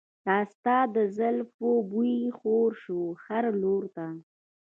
د ستا د زلفو بوی خور شو هر لور ته.